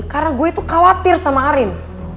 karena gue itu khawatir sama arin